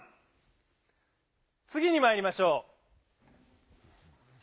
つぎにまいりましょう。